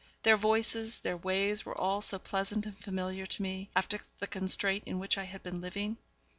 Their voices, their ways were all so pleasant and familiar to me, after the constraint in which I had been living.